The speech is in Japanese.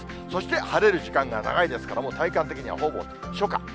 そして晴れる時間が長いですから、もう体感的にはほぼ初夏。